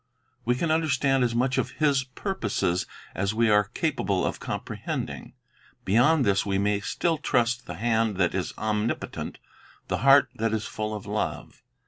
We can understand as much of His purposes as we are capable of comprehending; beyond this we may still trust the hand that is omnipotent, the heart that is full of love.